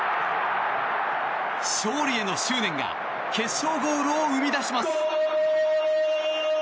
勝利への執念が決勝ゴールを生み出します。